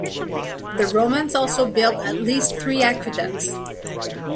The Romans also built at least three aqueducts.